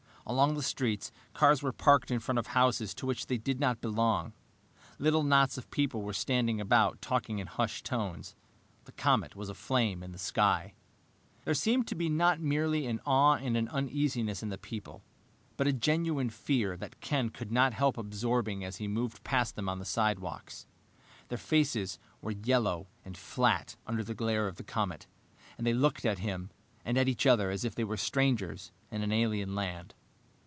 Along the streets, cars were parked in front of houses to which they did not belong. Little knots of people were standing about, talking in hushed tones. The comet was aflame in the sky. There seemed to be not merely an awe and an uneasiness in the people, but a genuine fear that Ken could not help absorbing as he moved past them on the sidewalks. Their faces were yellow and flat under the glare of the comet, and they looked at him and at each other as if they were strangers in an alien land.